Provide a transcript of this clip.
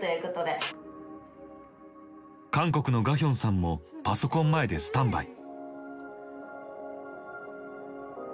韓国のガヒョンさんもパソコン前でスタンバイ。